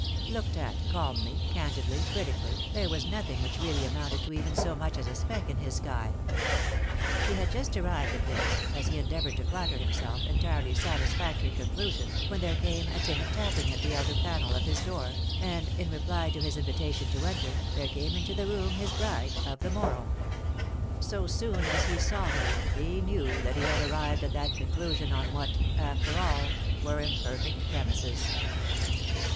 Looked at calmly, candidly, critically, there was nothing which really amounted to even so much as a speck in his sky. He had just arrived at this — as he endeavoured to flatter himself— entirely satisfactory conclusion, when there came a timid tapping at the outer panel of his door, and, in reply to his invitation to enter, there came into the room his bride of the morrow. So soon as he saw her he knew that he had arrived at that conclusion on what, after all, were imperfect premises.